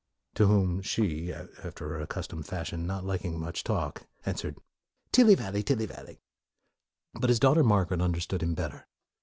" To whom she, after her accustomed fashion, not liking much talk, answered, "Tilly vally, tilly vally!" 48 MORE But his daughter Margaret understood him better.